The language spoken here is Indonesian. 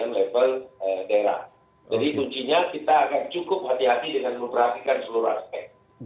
jadi kuncinya kita akan cukup hati hati dengan memperhatikan seluruh aspek